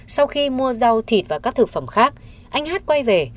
sau khi mua rau thịt và các thực phẩm khác anh hát quay về